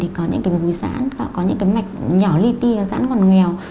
thì có những mũi giãn có những mạch nhỏ li ti giãn ngòn nghèo